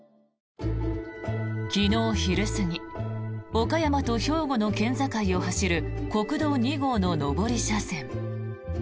昨日昼過ぎ岡山と兵庫の県境を走る国道２号の上り車線。